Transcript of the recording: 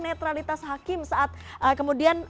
netralitas hakim saat kemudian